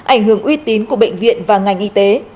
ảnh hưởng uy tín của bệnh viện và ngành y tế